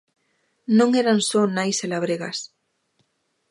Non eran só nais e labregas.